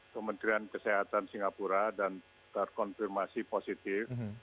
kementerian kesehatan singapura dan terkonfirmasi positif